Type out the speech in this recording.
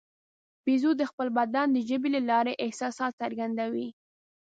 بیزو د خپل بدن د ژبې له لارې احساسات څرګندوي.